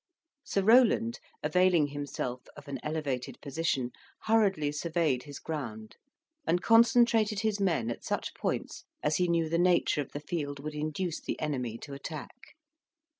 Sir Rowland, availing himself of an elevated position, hurriedly surveyed his ground, and concentrated his men at such points as he knew the nature of the field would induce the enemy to attack.